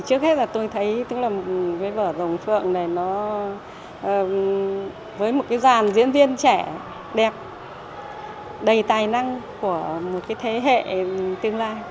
trước hết tôi thấy vở dòng phượng này với một dàn diễn viên trẻ đẹp đầy tài năng